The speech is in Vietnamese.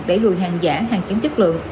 để lùi hàng giả hàng kiếm chất lượng